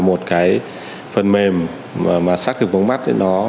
một cái phần mềm mà xác thực mống mắt